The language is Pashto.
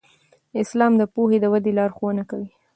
اسلام د پوهې د ودې لارښوونه کوي.